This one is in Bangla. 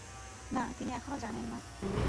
না, তিনি এখনো জানেন না।